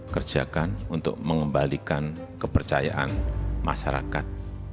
kerjakan untuk mengembalikan kepercayaan masyarakat